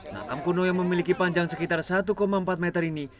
makam kuno yang memiliki panjang sekitar satu empat meter ini